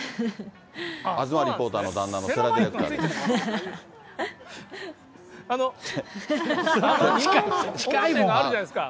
東リポーターの旦那のせらディレクターです。